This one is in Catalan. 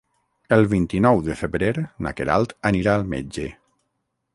El vint-i-nou de febrer na Queralt anirà al metge.